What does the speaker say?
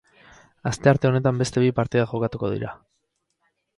Astearte honetan beste bi partida jokatuko dira.